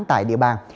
tại địa bàn